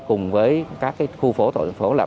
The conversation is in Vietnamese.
cùng với các cái khu phố tổ chức phố lập